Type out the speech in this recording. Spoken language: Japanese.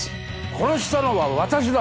殺したのは私だ！